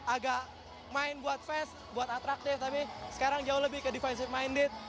agak main buat fast buat atraktif tapi sekarang jauh lebih ke defensive minded